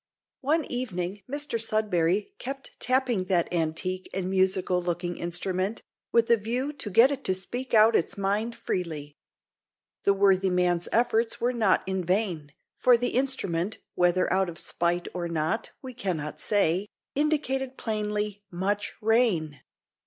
One evening Mr Sudberry kept tapping that antique and musical looking instrument, with a view to get it to speak out its mind freely. The worthy man's efforts were not in vain, for the instrument, whether out of spite or not, we cannot say, indicated plainly "much rain."